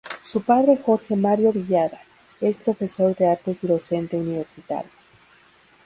Su padre Jorge Mario Villada, es profesor de Artes y docente universitario.